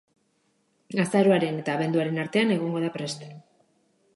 Azaroaren eta abenduaren artean egongo da prest.